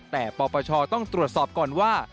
แต่ปปชต้องตรวจสอบก่อนว่า